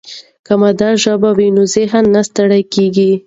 که مادي ژبه وي نو ذهن نه ستړی کېږي.